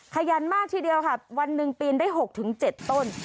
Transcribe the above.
ขยันมากทีเดียวค่ะวันหนึ่งปีนได้หกถึงเจ็ดต้น